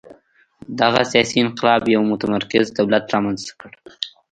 دغه سیاسي انقلاب یو متمرکز دولت رامنځته کړ.